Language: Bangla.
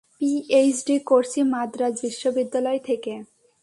পিএইচডি করছি মাদ্রাজ বিশ্ববিদ্যালয় থেকে।